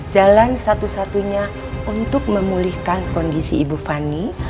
jalan satu satunya untuk memulihkan kondisi ibu fani